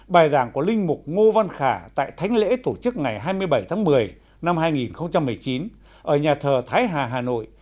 bài giảng của linh mục ngô văn khả tại thánh lễ tổ chức ngày hai mươi bảy tháng một mươi năm hai nghìn một mươi chín ở nhà thờ thái hà hà nội